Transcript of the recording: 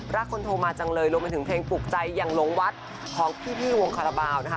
คนโทรมาจังเลยรวมไปถึงเพลงปลูกใจอย่างหลงวัดของพี่วงคาราบาลนะคะ